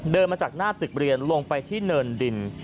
มาจากหน้าตึกเรียนลงไปที่เนินดิน